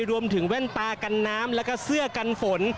แว่นตากันน้ำแล้วก็เสื้อกันฝน